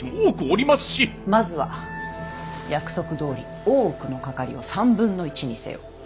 まずは約束どおり大奥のかかりを３分の１にせよ。